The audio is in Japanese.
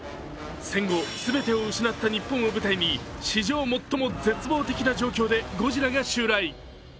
戦後、全てを失った日本を舞台に史上最も絶望的な状況でゴジラが襲来。